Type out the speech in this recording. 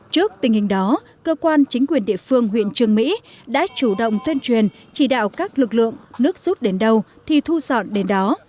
trước tình hình đó cơ quan chính quyền địa phương huyện trường mỹ đã chủ động tuyên truyền chỉ đạo các lực lượng nước rút đến đâu thì thu dọn đến đó